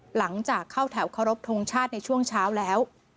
หลังจากเข้าแถวเคารพทงชาติในช่วงเช้าแล้ว